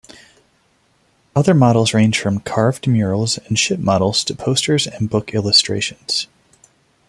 Other works range from carved murals and ship models to posters and book illustrations.